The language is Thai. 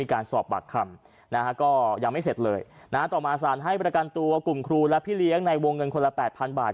ก็ก็ยังไม่เสร็จเลยนารอสารให้ประการตัวกลุ่มครูและพี่เลี้ยงในวงเงินคนละ๘๐๐๐บาท